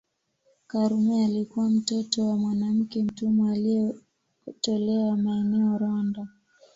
Karume alikuwa mtoto wa mwanamke mtumwa alietolewa maeneo Rwanda